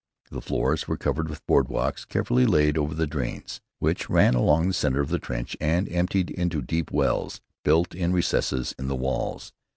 The floors were covered with board walks carefully laid over the drains, which ran along the center of the trench and emptied into deep wells, built in recesses in the walls.